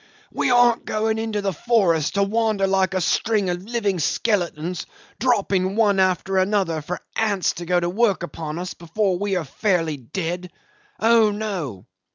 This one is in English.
"We aren't going into the forest to wander like a string of living skeletons dropping one after another for ants to go to work upon us before we are fairly dead. Oh no!